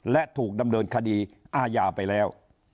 และถูกดำเนินคดีอาญาไปแล้ว